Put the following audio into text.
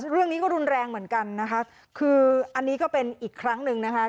เรื่องนี้ก็รุนแรงเหมือนกันนะคะคืออันนี้ก็เป็นอีกครั้งหนึ่งนะคะ